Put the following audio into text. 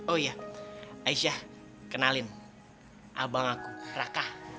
oh iya aisyah kenalin abang aku raka